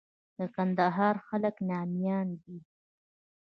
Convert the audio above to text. د کندهار خلک ناميان دي.